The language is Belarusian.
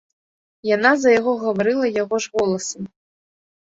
Яна за яго гаварыла яго ж голасам.